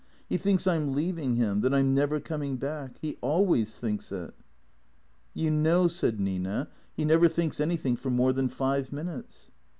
He thinks I 'm leaving him — that I 'm never coming back. He always thinks it." " You know," said Nina, " he never thinks anything for more than five minutes."